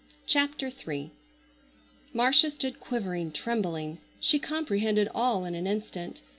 CHAPTER III Marcia stood quivering, trembling. She comprehended all in an instant.